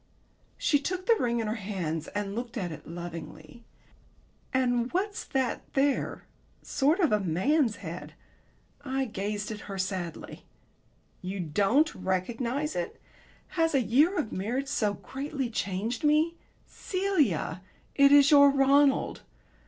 She took the ring in her hands and looked at it lovingly. "And what's that there? Sort of a man's head." I gazed at her sadly. "You don't recognize it? Has a year of marriage so greatly changed me? Celia, it is your Ronald!